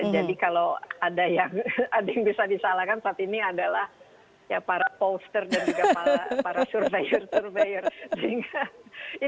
jadi kalau ada yang bisa disalahkan saat ini adalah para pollster dan juga para survei